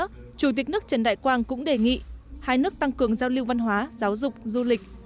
phó chủ tịch nước trần đại quang cũng đề nghị hai nước tăng cường giao lưu văn hóa giáo dục du lịch